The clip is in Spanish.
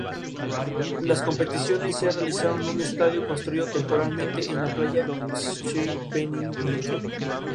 Se le asoció con Ra, como Atum-Ra, con Ptah y, a veces, con Osiris.